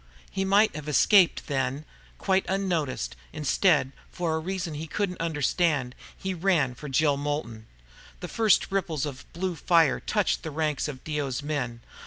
He might have escaped, then, quite unnoticed. Instead, for a reason even he couldn't understand, he ran for Jill Moulton. The first ripples of blue fire touched the ranks of Dio's men.